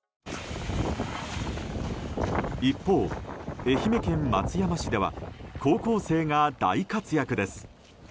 一方、愛媛県松山市では高校生が大活躍です。